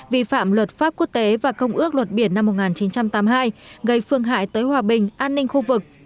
vi phạm luật pháp quốc tế và công ước luật biển năm một nghìn chín trăm tám mươi hai gây phương hại tới hòa bình an ninh khu vực